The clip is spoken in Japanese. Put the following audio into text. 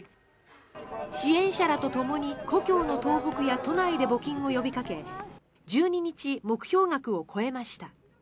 支援者らとともに故郷の東北や都内で募金を呼びかけ１２日、目標額を超えました。